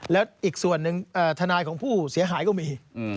แล้วอีกส่วนหนึ่งทนายของผู้เสียหายก็มี